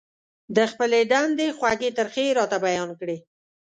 د خپلې دندې خوږې ترخې يې راته بيان کړې.